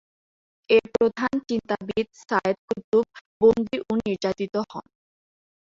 এর প্রধান চিন্তাবিদ সাইয়েদ কুতুব বন্দী ও নির্যাতিত হন।